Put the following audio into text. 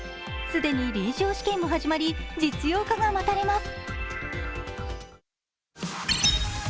既に臨床試験も始まり実用化が待たれます。